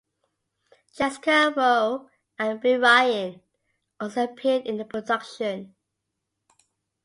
Jessica Rowe and Beau Ryan also appeared in the production.